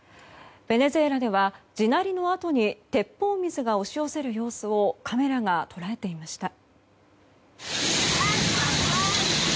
ベネズエラでは地鳴りのあとに鉄砲水が押し寄せる様子をカメラが捉えていました。